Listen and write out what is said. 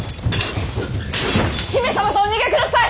姫様とお逃げください！